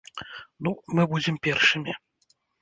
Ну, мы будзем першымі.